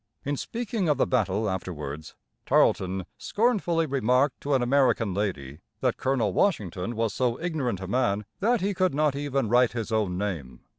In speaking of the battle afterwards, Tarleton scornfully remarked to an American lady that Colonel Washington was so ignorant a man that he could not even write his own name.